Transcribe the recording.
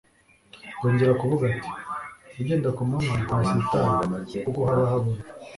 Yongera kuvuga, ati : "ugenda ku manywa ntasitara, kuko haba habona."